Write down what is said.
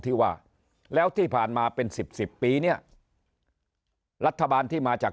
ที่ว่าแล้วที่ผ่านมาเป็นสิบสิบปีเนี่ยรัฐบาลที่มาจาก